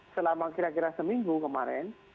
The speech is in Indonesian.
selama kira kira seminggu kemarin